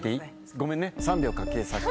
ごめんね３秒かけさせて。